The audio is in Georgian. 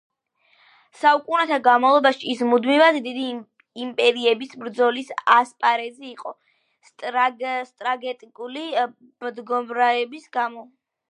საუკუნეთა განმავლობაში ის მუდმივად დიდი იმპერიების ბრძოლის ასპარეზი იყო სტრატეგიული მდებარეობის გამო